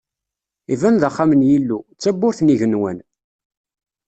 Iban d axxam n Yillu, d tabburt n igenwan.